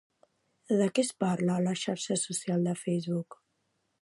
De què es parla a la xarxa social de Facebook?